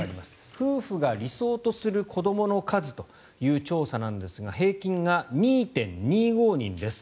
夫婦が理想とする子どもの数という調査なんですが平均が２．２５人です。